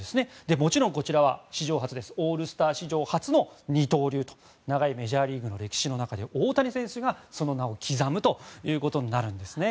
もちろんこちらはオールスター史上初の二刀流と長いメジャーリーグの歴史の中で大谷選手がその名を刻むということになるんですね。